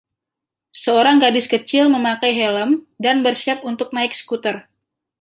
Seorang gadis kecil memakai helm dan bersiap untuk naik skuter